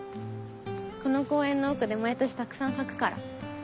この公園の奥で毎年たくさん咲くから。